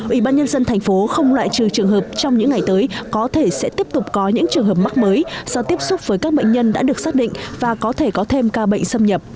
ủy ban nhân dân thành phố không loại trừ trường hợp trong những ngày tới có thể sẽ tiếp tục có những trường hợp mắc mới do tiếp xúc với các bệnh nhân đã được xác định và có thể có thêm ca bệnh xâm nhập